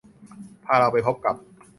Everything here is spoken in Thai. พาเราไปพบกับ